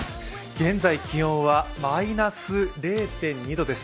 現在、気温はマイナス０．２度です。